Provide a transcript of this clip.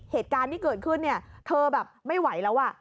เหตุการณ์ที่เกิดขึ้นเนี่ยเธอแบบไม่ไหวแล้วอ่ะ